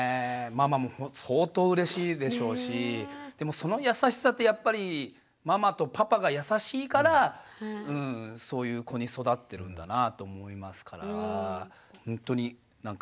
ママも相当うれしいでしょうしでもその優しさってやっぱりママとパパが優しいからそういう子に育ってるんだなぁと思いますからほんとになんか